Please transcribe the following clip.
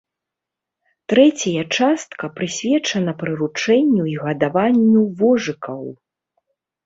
Трэцяя частка прысвечана прыручэнню і гадаванню вожыкаў.